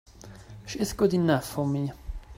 She's good enough for me!